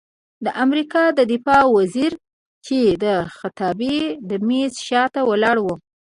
د امریکا د دفاع وزیر چې د خطابې د میز شاته ولاړ و،